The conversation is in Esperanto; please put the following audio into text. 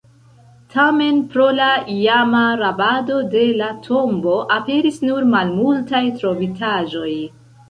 Tamen, pro la iama rabado de la tombo, aperis nur malmultaj trovitaĵoj.